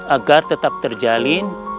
agar tetap terjalin